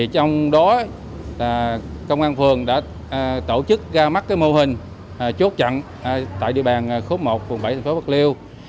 trong đó công an phường đã tổ chức ra mắt mô hình chốt chặn tại địa bàn khu một vùng bảy tp bắc liêu